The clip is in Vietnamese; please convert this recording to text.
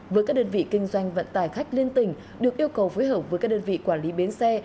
với các đơn vị kinh doanh vận tải khách liên tỉnh được yêu cầu phối hợp với các đơn vị quản lý bến xe